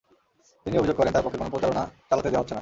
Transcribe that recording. তিনি অভিযোগ করেন, তাঁর পক্ষে কোনো প্রচারণা চালাতে দেওয়া হচ্ছে না।